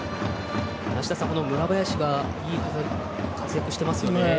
梨田さん、村林がいい活躍していますよね。